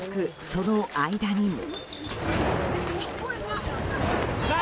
その間にも。